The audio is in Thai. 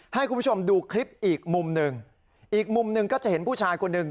ให้คุณผู้ชมดูคลิปอีกมุมหนึ่งอีกมุมหนึ่งก็จะเห็นผู้ชายคนหนึ่ง